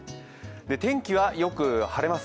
天気はよく晴れます。